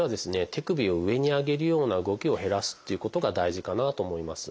手首を上に上げるような動きを減らすっていうことが大事かなと思います。